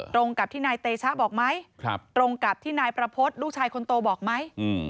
ตรงกับที่นายเตชะบอกไหมตรงกับที่นายประพฤติลูกชายคนโตบอกไหม